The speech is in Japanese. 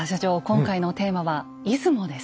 今回のテーマは「出雲」です。